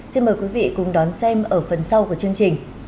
xin mời quý vị cùng đón xem ở phần sau của chương trình